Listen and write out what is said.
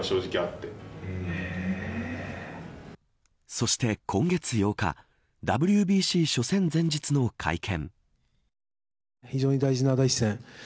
そして今月８日ＷＢＣ初戦前日の会見。